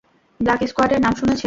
Black স্কোয়াডের নাম শুনেছেন?